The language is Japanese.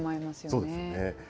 そうですね。